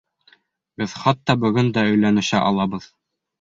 Беҙ хатта бөгөн дә өйләнешә алабыҙ.